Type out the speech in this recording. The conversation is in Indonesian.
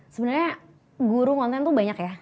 sebenarnya guru konten tuh banyak ya